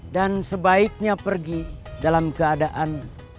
dan sebaiknya pergi dalam keadaan